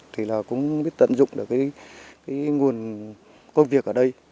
không biết tận dụng được cái nguồn công việc ở đây